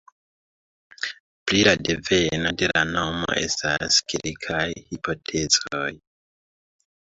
Pri la deveno de la nomo estas kelkaj hipotezoj.